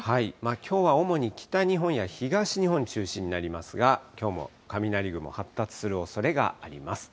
きょうは主に北日本や東日本中心になりますが、きょうも雷雲、発達するおそれがあります。